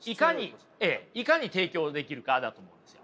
いかに提供できるかだと思うんですよ。